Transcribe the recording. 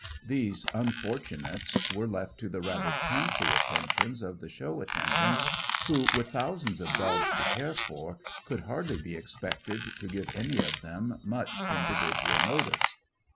These unfortunates were left to the rather chancy attentions of the show attendants, who, with thousands of dogs to care for, could hardly be expected to give any of them much individual notice.